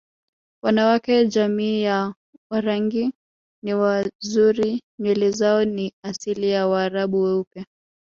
Wanawake jamii ya Warangi ni wazuri nywele zao ni asili ya waraabu weupe